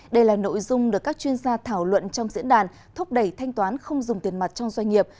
đây là nội dung được các chuyên gia thảo luận trong diễn đàn thúc đẩy thanh toán không dùng tiền mặt trong doanh nghiệp